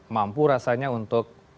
mampu rasanya untuk